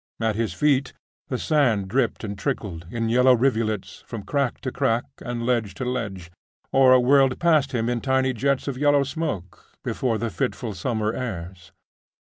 At his feet the sand dripped and trickled, in yellow rivulets, from crack to crack and ledge to ledge, or whirled past him in tiny jets of yellow smoke, before the fitful summer airs.